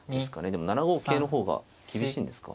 でも７五桂の方が厳しいんですか。